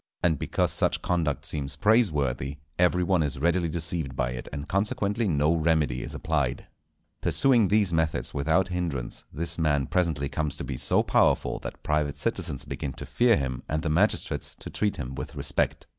And because such conduct seems praiseworthy, every one is readily deceived by it, and consequently no remedy is applied. Pursuing these methods without hindrance, this man presently comes to be so powerful that private citizens begin to fear him, and the magistrates to treat him with respect.